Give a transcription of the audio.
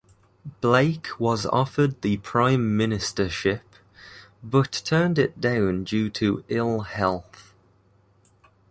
Blake was offered the prime ministership, but turned it down due to ill health.